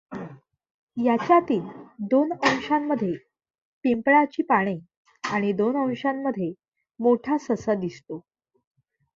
याच्यातील दोन अंशांमध्ये पिंपळाची पाने आणि दोन अंशांमध्ये मोठा ससा दिसतो.